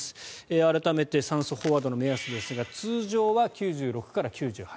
改めて、酸素飽和度の目安ですが通常は９６から９８。